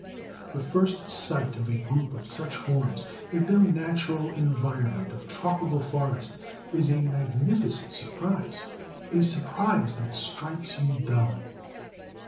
The first sight of a group of such forms, in their natural environment of tropical forest, is a magnificent surprise, a surprise that strikes you dumb.